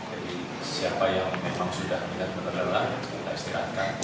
jadi siapa yang memang sudah melihat kelelahan kita istirahatkan